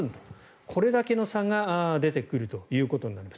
これだけの差が出てくるということになります。